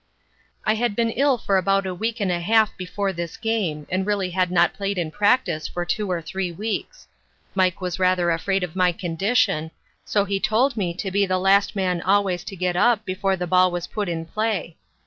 "I had been ill for about a week and a half before this game and really had not played in practice for two or three weeks. Mike was rather afraid of my condition, so he told me to be the last man always to get up before the ball was put in play.